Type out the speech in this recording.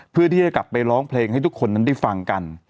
เพื่อที่จะกลับไปร้องเพลงให้ทุกคนนั้นได้ฟังกัน